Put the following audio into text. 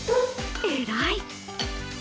偉い！